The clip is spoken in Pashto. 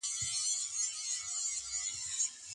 ایا ځايي کروندګر کاغذي بادام پلوري؟